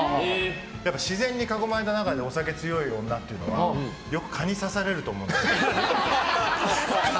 自然に囲まれた中でお酒に強い女っていうのはよく蚊に刺されると思うんですよ。